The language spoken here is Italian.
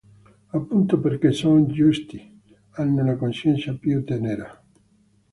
Appunto perchè son giusti, hanno la coscienza più tenera.